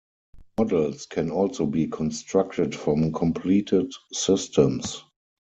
Models can also be constructed from completed systems.